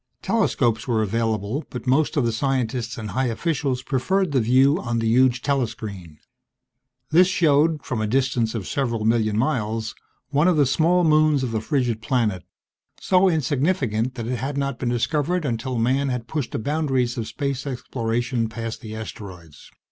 Telescopes were available but most of the scientists and high officials preferred the view on the huge telescreen. This showed, from a distance of several million miles, one of the small moons of the frigid planet, so insignificant that it had not been discovered until man had pushed the boundaries of space exploration past the asteroids.